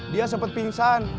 dia sempet pingsan